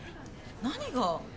何が？